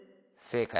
正解！